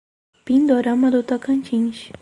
Pindorama do Tocantins